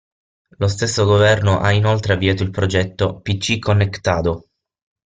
Lo stesso governo ha inoltre avviato il progetto PC Conectado.